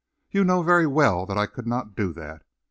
You know very well that I could not do that.